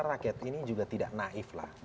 saya pikir ini juga tidak naif lah